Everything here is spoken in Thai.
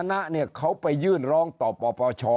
นะเนี่ยเขาไปยื่นร้องต่อปปช